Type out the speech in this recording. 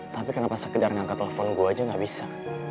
tapi kenapa sekedar ngangkat telepon gue aja gak bisa